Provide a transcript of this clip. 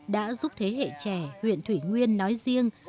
đã giúp thế hệ trẻ huyện thủy nguyên nói riêng